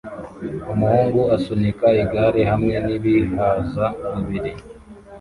Umuhungu asunika igare hamwe n'ibihaza bibiri